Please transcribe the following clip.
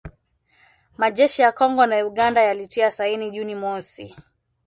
majeshi ya Kongo na Uganda yalitia saini Juni mosi